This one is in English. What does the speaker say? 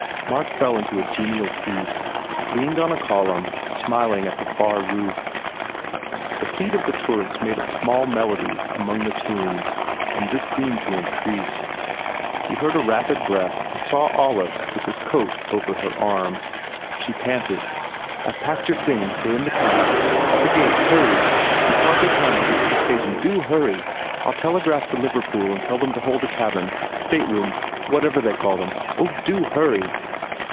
Mark fell into a genial peace, leaned on a column, smiling at the far roof. The feet of the tourists made a small melody among the tombs and this seemed to increase. He heard a rapid breath and saw Olive with his coat over her arm She panted, "I ve packed your things. They re in the cab. At the gates. Hurry. You ve hardly time to get to the station. Do hurry ! I ll telegraph to Liverpool and ask them to hold a cabin stateroom what ever they call them. Oh, do hurry!"